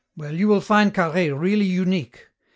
Well, you will find Carhaix really unique.